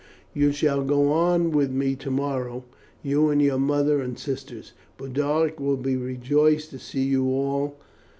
"You shall go on with me tomorrow, you and your mother and sisters. Boduoc will be rejoiced to see you all.